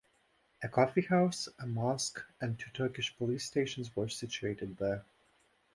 A coffeehouse, a mosque and two Turkish police stations were situated there.